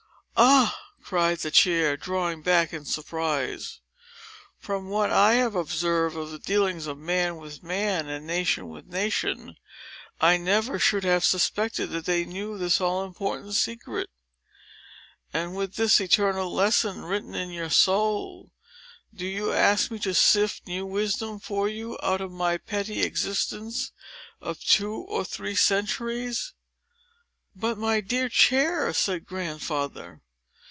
"Ah!" cried the chair, drawing back in surprise. "From what I have observed of the dealings of man with man, and nation with nation, I never should have suspected that they knew this all important secret. And, with this eternal lesson written in your soul, do you ask me to sift new wisdom for you, out of my petty existence of two or three centuries?" "But, my dear chair—" said Grandfather.